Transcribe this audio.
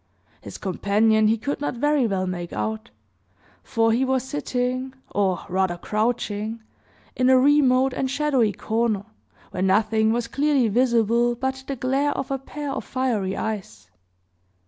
His companion he could not very well make out; for he was sitting, or rather crouching, in a remote and shadowy corner, where nothing was clearly visible but the glare of a pair of fiery eyes.